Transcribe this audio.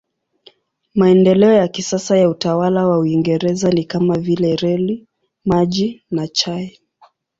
Maendeleo ya kisasa ya utawala wa Uingereza ni kama vile reli, maji na chai.